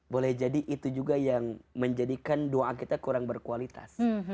boleh jadi itu juga yang menjadikan doa kita kurang berkualitas